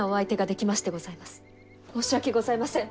申し訳ございません！